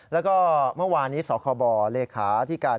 แล้วก็เมื่อวานนี้สคบเลขาที่การ